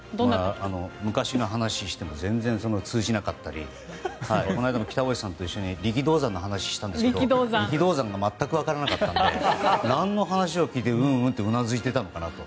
昔の話をしても全然通じなかったりこの間も北大路さんと一緒に力動山の話をしたんですが力道山が全くわからなかったのでなんの話を聞いてうんうんと言っていたのかと。